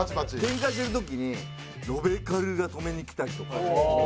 ケンカしてる時にロベカルが止めに来たりとか。